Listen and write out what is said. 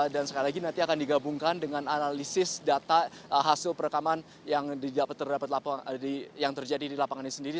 dan sekali lagi nanti akan digabungkan dengan analisis data hasil perekaman yang terjadi di lapangan ini sendiri